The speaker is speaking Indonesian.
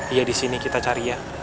iya di sini kita cari ya